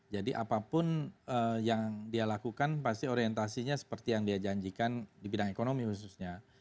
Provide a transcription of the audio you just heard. jadi apapun yang dia lakukan pasti orientasinya seperti yang dia janjikan di bidang ekonomi khususnya